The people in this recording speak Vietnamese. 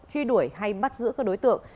truy đuổi hay bắt giữ các đối tượng